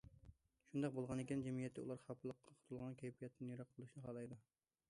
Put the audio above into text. شۇنداق بولغانىكەن، جەمئىيەتتە ئۇلار خاپىلىققا تولغان كەيپىياتتىن يىراق بولۇشنى خالايدۇ.